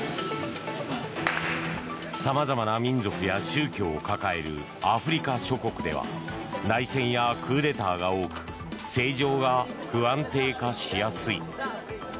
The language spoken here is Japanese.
様々な民族や宗教を抱えるアフリカ諸国では内戦やクーデターが多く政情が不安定化しやすい。